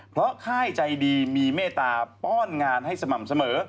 เพราะค่ายใจดีมีเมตตาป้อนงานให้สม่ำเสมอ